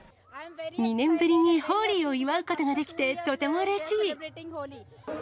２年ぶりにホーリーを祝うことができて、とてもうれしい。